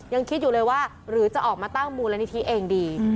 ยังคิดอยู่เลยว่าหรือจะออกมาตั้งมูลนิธิเองดี